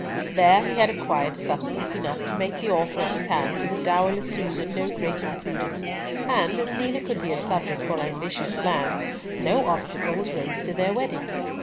There he had acquired substance enough to make the offer of his hand to the dowerless Susan no great imprudence; and as neither could be a subject for ambitious plans, no obstacle was raised to their wedding.